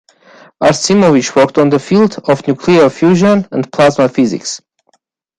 Artsimovich worked on the field of nuclear fusion and plasma physics.